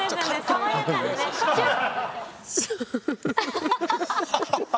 爽やかなねチュッ。